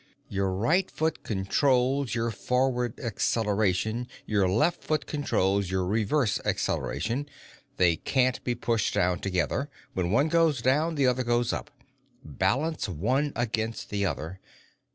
Your right foot controls your forward acceleration. Your left foot controls your reverse acceleration. _They can't be pushed down together; when one goes down, the other goes up. Balance one against the other.